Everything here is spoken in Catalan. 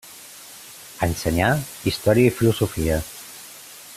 Ensenyà història i filosofia.